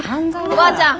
おばあちゃん